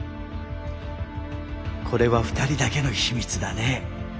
これは２人だけの秘密だね。